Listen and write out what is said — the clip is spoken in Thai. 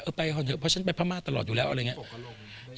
ไปก่อนเถอะเพราะฉันไปพม่าตลอดอยู่แล้วอะไรอย่างนี้